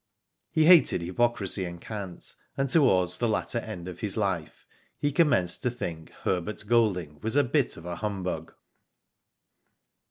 He hated hypocrisy and cant, and towards the latter end of his life he commenced to think Herbert Golding was a bit of a humbug.